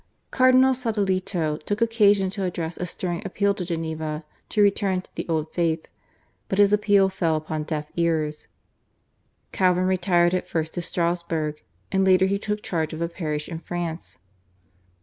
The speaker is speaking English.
Cardinal Sadoleto took occasion to address a stirring appeal to Geneva to return to the old faith, but his appeal fell upon deaf ears. Calvin retired at first to Strassburg, and later he took charge of a parish in France.